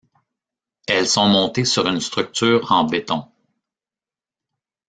Elles sont montées sur une structure en béton.